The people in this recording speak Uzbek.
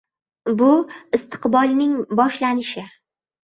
Bu — istiqbolning boshlanishi.